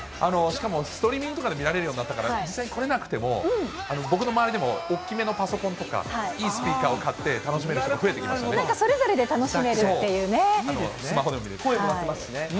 しかもストリーミングとかで見られるようになったから、実際に来れなくても、僕の周りでも、おっきめのパソコンとか、いいスピーカーを買って楽しめる人が増えてきましたね。